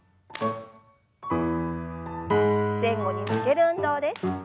前後に曲げる運動です。